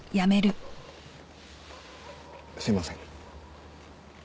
すいません。